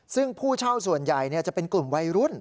ซึ่งผู้เช่าส่วนใหญ่จะเป็นกลุ่มวัยรุ่น